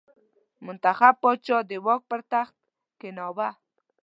منتخب پاچا د واک پر تخت کېناوه.